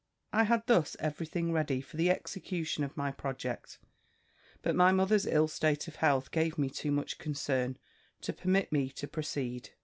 "I had thus every thing ready for the execution of my project: but my mother's ill state of health gave me too much concern, to permit me to proceed.